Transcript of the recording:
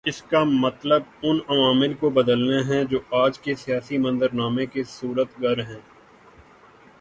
اس کا مطلب ان عوامل کو بدلنا ہے جو آج کے سیاسی منظرنامے کے صورت گر ہیں۔